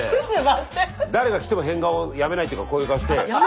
誰が来ても変顔やめないっていうかこういう顔して。